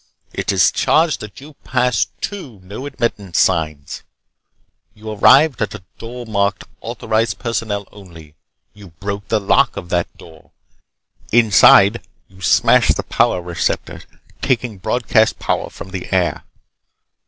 It is charged that you passed two no admittance signs. You arrived at a door marked 'Authorized Personnel Only.' You broke the lock of that door. Inside, you smashed the power receptor taking broadcast power from the air.